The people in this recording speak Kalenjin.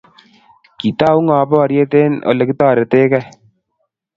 Kitau ngo boryet noto eng olegitoretegei?